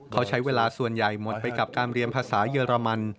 เขาใช้เวลาส่วนใหญ่หมดไปกับการเรียนภาษาเยอรมัน